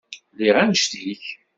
Lliɣ annect-ik.